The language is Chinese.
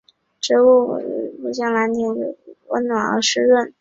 植物孢粉分析表明当时的气候不像蓝田人生活的时期那样温暖而湿润。